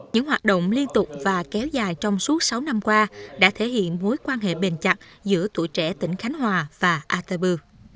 những hoạt động liên tục và kéo dài trong suốt sáu năm qua đã thể hiện mối quan hệ bền chặt giữa tuổi trẻ tỉnh khánh hòa và attabu